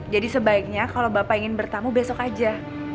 jadi sebaiknya kalo bapak ingin bertamu besok aja